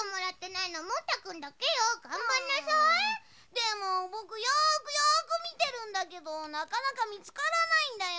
でもぼくよくよくみてるんだけどなかなかみつからないんだよ。